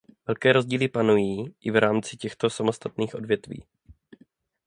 Velké rozdíly panují i v rámci těchto samotných odvětví.